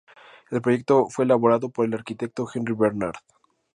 El proyecto fue elaborado por el arquitecto Henry Bernard.